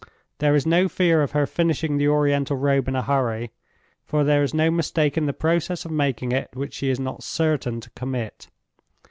There is no fear of her finishing the Oriental Robe in a hurry, for there is no mistake in the process of making it which she is not certain to commit.